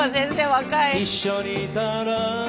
若い！